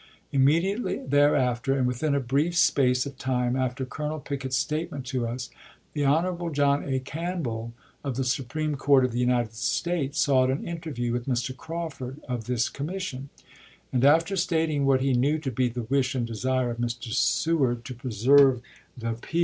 Immediately thereafter, and within a brief space of time after Colonel Pickett's statement to us, the Hon. John A. Campbell, of the Supreme Court of the United States, sought an interview with Mr. Crawford of this commission, and after stating what he knew to be the wish and desire of Mr. Seward to preserve the peace 1 By the almanac Friday was the 15th.